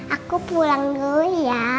aku pulang dulu ya